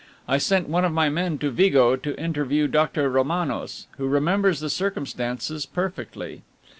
I sent one of my men to Vigo to interview Doctor Romanos, who remembers the circumstances perfectly.